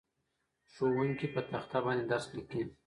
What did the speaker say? ښوونکی په تخته باندې درس لیکي.